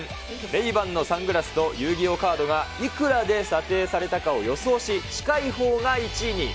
レイバンのサングラスと遊戯王カードがいくらで査定されたかを予想し、近いほうが１位に。